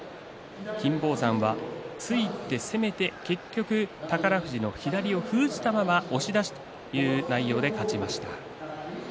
金峰山は突いて攻めて、結局宝富士の左を封じたまま押し出しという内容で勝ちました。